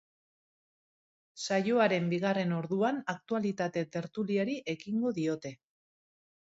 Saioaren bigarren orduan aktualitate tertuliari ekingo diote.